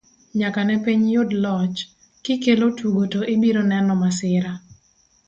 nyaka ne piny yud loch, kikelo tugo to ibiro neno masira